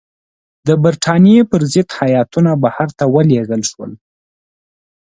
د برټانیې پر ضد هیاتونه بهر ته ولېږل شول.